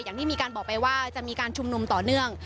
อย่างที่มีการบอกไปว่าจะมีการชุมนุมต่อเนื่อง